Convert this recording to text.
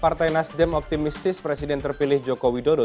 partai nasdem optimistis presiden terpilih jokowi dodo